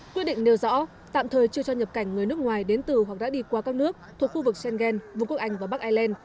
quyết định nêu rõ tạm thời chưa cho nhập cảnh người nước ngoài đến từ hoặc đã đi qua các nước thuộc khu vực schengen vùng quốc anh và bắc ireland